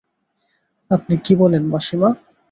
আপনি কী বলেন মাসিমা?